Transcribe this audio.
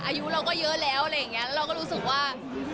อายุเราก็เยอะแล้วอะไรอย่างนี้เราก็รู้สึกว่า